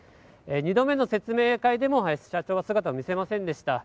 ２度目の説明会でも社長は姿を見せませんでした。